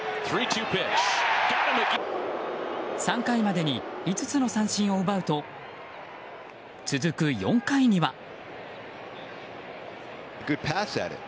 ３回までに５つの三振を奪うと続く４回には。